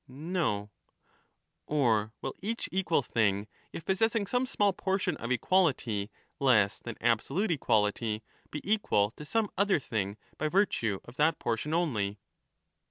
?^*f^' for this No. would Or will each equal thing, if possessing some small portion ^^y of equality less than absolute equality, be equal to some other absurdity. thing by virtue of that j)ortion only